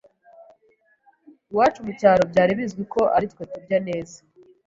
iwacu mu cyaro byari bizwi ko ari twe turya neza